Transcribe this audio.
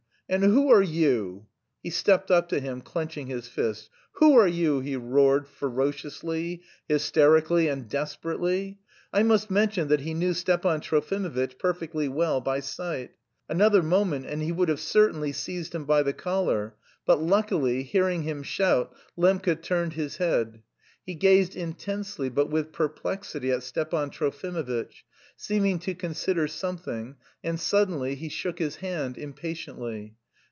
And who are you?" He stepped up to him, clenching his fist. "Who are you?" he roared ferociously, hysterically, and desperately. (I must mention that he knew Stepan Trofimovitch perfectly well by sight.) Another moment and he would have certainly seized him by the collar; but luckily, hearing him shout, Lembke turned his head. He gazed intensely but with perplexity at Stepan Trofimovitch, seeming to consider something, and suddenly he shook his hand impatiently.